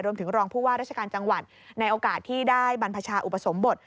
รองผู้ว่าราชการจังหวัดในโอกาสที่ได้บรรพชาอุปสมบท